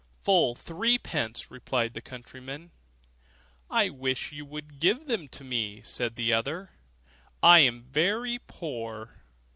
'Full threepence,' replied the countryman. 'I wish you would give them to me,' said the other; 'I am very poor.